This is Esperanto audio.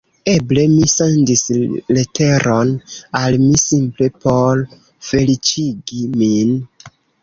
Eble mi sendis leteron al mi simple por feliĉigi min.